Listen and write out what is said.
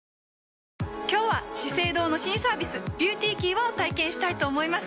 今日は「資生堂」の新サービス「ＢｅａｕｔｙＫｅｙ」を体験したいと思います。